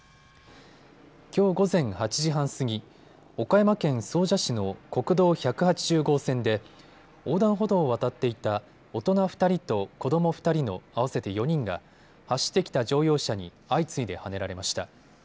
きょう午前８時半過ぎ、岡山県総社市の国道１８０号線で横断歩道を渡っていた大人２人と子ども２人の合わせて４人が走ってきた乗用車に相次いではねられました。